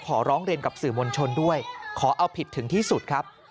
ขอร้องเรียนกับสื่อมวลชนด้วยขอเอาผิดถึงที่สุดครับ